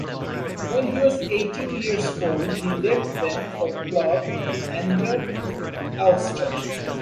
When he was eighteen years old he left them for Club an der Alster.